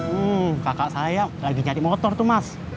hmm kakak saya lagi nyari motor tuh mas